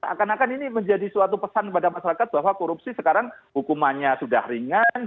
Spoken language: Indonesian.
akan akan ini menjadi suatu pesan kepada masyarakat bahwa korupsi sekarang hukumannya sudah ringan